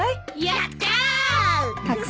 やったー！